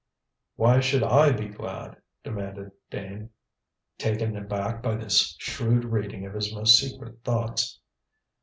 "Why should I be glad?" demanded Dane, taken aback by this shrewd reading of his most secret thoughts.